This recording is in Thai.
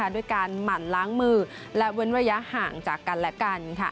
ด้วยการหมั่นล้างมือและเว้นระยะห่างจากกันและกัน